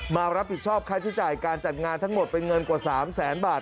มารับผิดชอบค่าใช้จ่ายการจัดงานทั้งหมดเป็นเงินกว่า๓แสนบาท